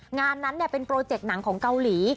งานนั้นเป็นโปรเจกต์หนังของเกาหลี